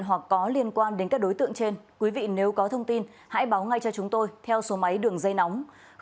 hoặc có liên quan đến các đối tượng trên quý vị nếu có thông tin hãy báo ngay cho chúng tôi theo số máy đường dây nóng